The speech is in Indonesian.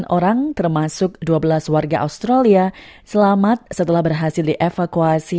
tiga ratus tujuh puluh sembilan orang termasuk dua belas warga australia selamat setelah berhasil dievakuasi